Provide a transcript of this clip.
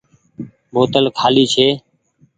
بوتل کآلي ڇي۔